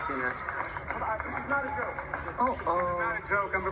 คุณป้าเกลยบ่าเป็นลาลามันค่ะ